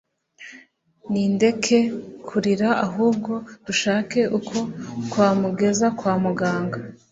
nindeke kurira ahubwo dushake uko twamugeza kwa muganga